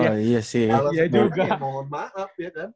kalau sebelumnya mohon maaf ya kan